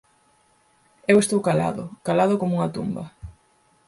Eu estou calado, calado como unha tumba…